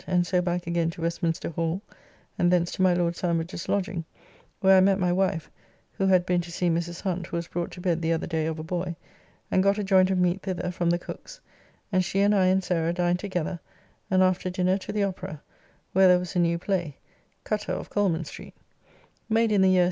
And so back again to Westminster Hall, and thence to my Lord Sandwich's lodging, where I met my wife (who had been to see Mrs. Hunt who was brought to bed the other day of a boy), and got a joint of meat thither from the Cook's, and she and I and Sarah dined together, and after dinner to the Opera, where there was a new play ("Cutter of Coleman Street"), [Cutter, an old word for a rough swaggerer: hence the title of Cowley's play.